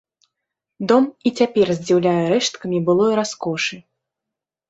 Дом і цяпер здзіўляе рэшткамі былой раскошы.